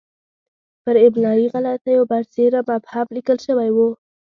پر املایي غلطیو برسېره مبهم لیکل شوی وو.